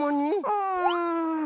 うん。